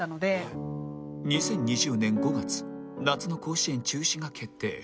２０２０年５月夏の甲子園中止が決定